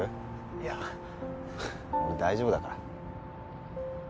いや大丈夫だから・